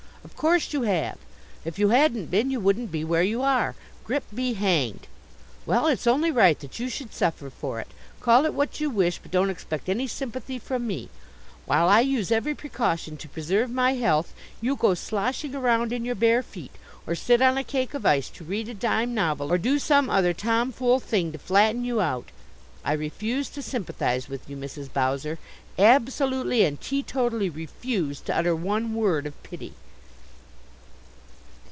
Of course you have! If you hadn't been you wouldn't be where you are. Grip be hanged! Well, it's only right that you should suffer for it. Call it what you wish, but don't expect any sympathy from me. While I use every precaution to preserve my health, you go sloshing around in your bare feet, or sit on a cake of ice to read a dime novel, or do some other tomfool thing to flatten you out. I refuse to sympathize with you, Mrs. Bowser absolutely and teetotally refuse to utter one word of pity."